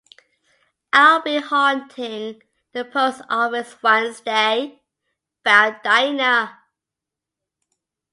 “I’ll be haunting the post office Wednesday,” vowed Diana.